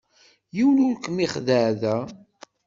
Yiwen ur kem-ixeddeε da.